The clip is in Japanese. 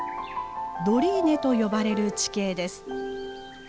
ドリーネと呼ばれる地形です。